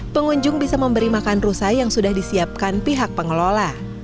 pengunjung bisa memberi makan rusa yang sudah disiapkan pihak pengelola